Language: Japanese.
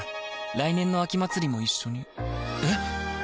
来年の秋祭も一緒にえ